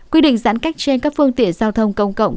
quy định giãn cách trên các phương tiện giao thông công cộng